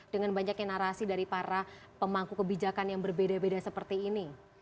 dengan banyaknya narasi dari para pemangku kebijakan yang berbeda beda seperti ini